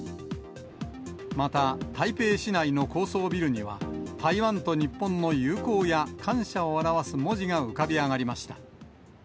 また、台北市内の高層ビルには、台湾と日本の友好や感謝を表す文字が浮かび上がりました。